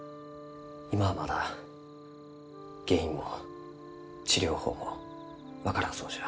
今はまだ原因も治療法も分からんそうじゃ。